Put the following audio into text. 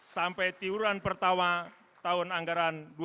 sampai tiuran pertama tahun anggaran dua ribu sembilan belas